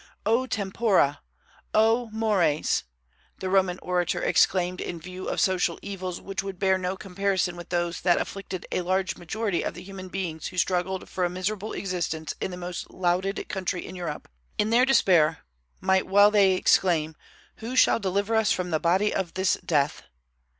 O tempora! O mores! the Roman orator exclaimed in view of social evils which would bear no comparison with those that afflicted a large majority of the human beings who struggled for a miserable existence in the most lauded country in Europe. In their despair, well might they exclaim, "Who shall deliver us from the body of this death?"